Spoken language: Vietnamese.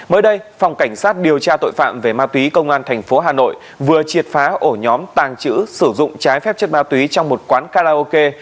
mới đây phòng cảnh sát điều tra tội phạm về ma túy công an tp hà nội vừa triệt phá ổ nhóm tàng trữ sử dụng trái phép chất ma túy trong một quán karaoke